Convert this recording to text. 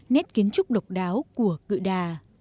nét kiến trúc độc đáo của cự đà